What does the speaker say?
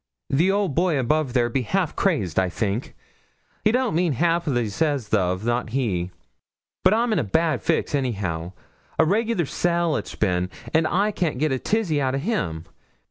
'The old boy above there be half crazed, I think; he don't mean half as he says thof, not he. But I'm in a bad fix anyhow a regular sell it's been, and I can't get a tizzy out of him.